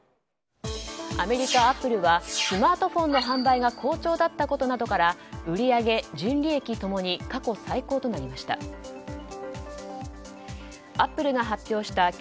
アメリカ、アップルはスマートフォンの販売が好調だったことなどから売上、純利益共に過去最高となりました。